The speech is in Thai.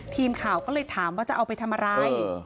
ทีมข่าวก็เลยถามว่าจะเอาไปทำอะไร